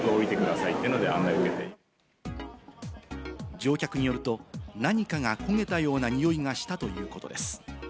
乗客によると、何かが焦げたようなにおいがしたということです。